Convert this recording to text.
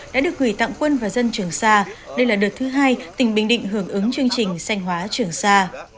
đã được gửi tặng quân và dân trường xa đây là đợt thứ hai tỉnh bình định hưởng ứng chương trình sanh hóa trường sa